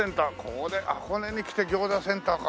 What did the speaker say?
これ箱根に来て餃子センターか。